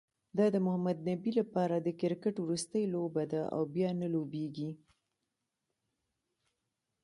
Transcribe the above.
دا د محمد نبي لپاره د کرکټ وروستۍ لوبه ده، او بیا نه لوبیږي